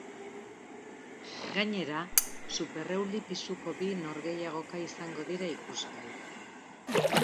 Gainera, supereuli pisuko bi norgehiagoka izango dira ikusgai.